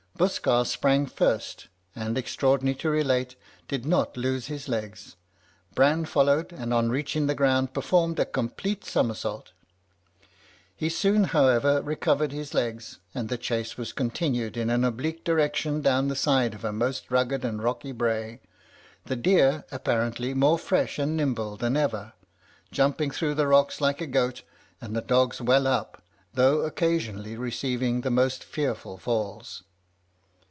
Buskar sprang first, and, extraordinary to relate, did not lose his legs. Bran followed, and, on reaching the ground, performed a complete somerset. He soon, however, recovered his legs, and the chase was continued in an oblique direction down the side of a most rugged and rocky brae, the deer, apparently more fresh and nimble than ever, jumping through the rocks like a goat, and the dogs well up, though occasionally receiving the most fearful falls.